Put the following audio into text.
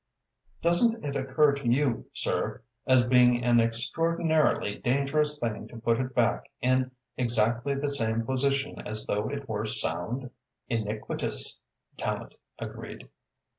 "Doesn't it occur to you, sir, as being an extraordinarily dangerous thing to put it back in exactly the same position as though it were sound?" "Iniquitous," Tallente agreed.